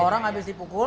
orang abis dipukul